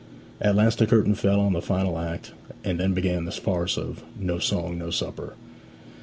At last the curtain fell on the final act, and then began the farce of 'No Song no Supper.'